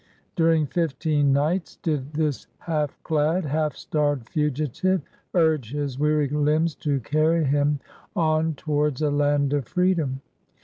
During fifteen nights did this half clad, half starved fugitive urge his weary limbs to carry him on towards a land of freedom.